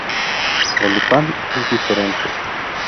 Oliphant es diferente.